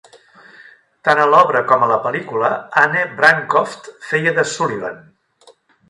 Tant a l'obra com a la pel·lícula Anne Bancroft feia de Sullivan.